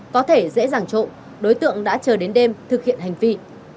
có thể dễ dàng trộm đối tượng đã chờ đến đêm thực hiện hành vi